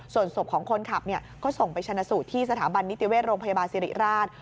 ส่วนศพของคนขับก็ส่งไปชนะสูตรที่สถาบันนิติเวชโรงพยาบาลสิริราช